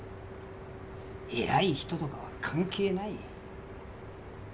偉い人とかは関係ない。